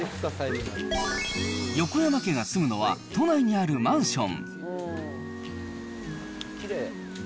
横山家が住むのは都内にあるマンション。